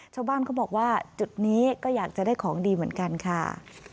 ชาวบ้านเขาบอกว่าจุดนี้ก็อยากจะได้ของดีเหมือนกันค่ะ